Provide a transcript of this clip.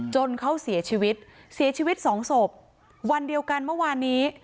จนเขาเสียชีวิตเสียชีวิตสองศพวันเดียวกันเมื่อวานนี้